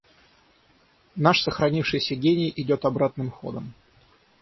Наш сохранившийся гений идет обратным ходом.